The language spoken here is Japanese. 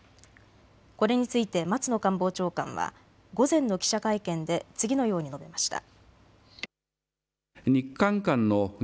これについて松野官房長官は午前の記者会見で次のように述べました。